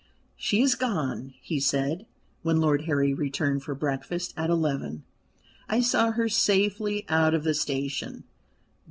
"She is gone," he said, when Lord Harry returned for breakfast at eleven. "I saw her safely out of the station."